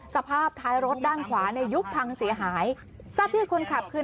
สภาพท้ายรถด้านขวาเนี่ยยุบพังเสียหายทราบชื่อคนขับคือ